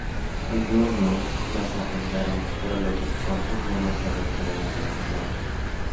Algunos las arrendaron, pero los ocupantes luego se rehusaron a pagar el alquiler.